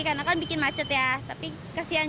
karena kan bikin macet ya tapi kesiang